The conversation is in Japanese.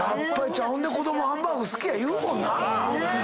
ほんで子供ハンバーグ好きや言うもんなぁ。